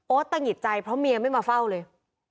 โอ๊ตตะหงิดใจเพราะมียังไม่มาเฝ้าเลย